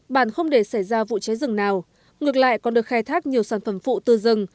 bản không để xảy ra vụ cháy rừng nào ngược lại còn được khai thác nhiều sản phẩm phụ từ rừng